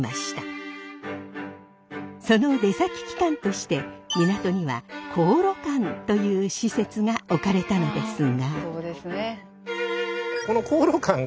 その出先機関として港には鴻臚館という施設が置かれたのですが。